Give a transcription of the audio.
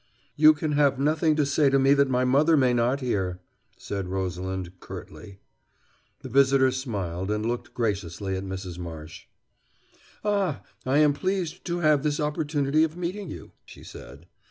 "You can have nothing to say to me that my mother may not hear," said Rosalind curtly. The visitor smiled, and looked graciously at Mrs. Marsh. "Ah, I am pleased to have this opportunity of meeting you," she said.